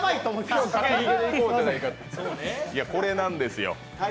これなんですよ。